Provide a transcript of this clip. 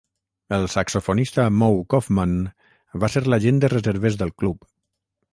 El saxofonista Moe Koffman va ser l'agent de reserves del club.